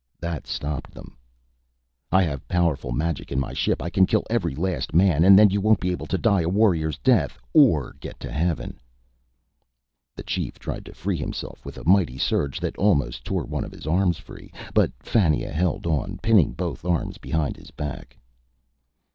_" That stopped them. "I have powerful magic in my ship. I can kill every last man, and then you won't be able to die a warrior's death. Or get to heaven!" The chief tried to free himself with a mighty surge that almost tore one of his arms free, but Fannia held on, pinning both arms behind his back.